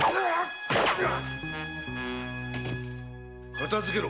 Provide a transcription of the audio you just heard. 片づけろ。